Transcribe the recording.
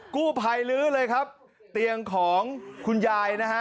กู้ภัยลื้อเลยครับเตียงของคุณยายนะฮะ